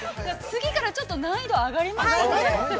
◆次から、ちょっと難易度が上がりますので。